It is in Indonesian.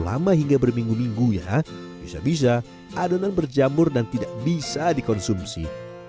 lama hingga berminggu minggu ya bisa bisa adonan berjamur dan tidak bisa dikonsumsi